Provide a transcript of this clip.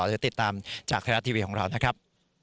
หรือติดตามจากท่านรัฐทีวีของเรานะครับ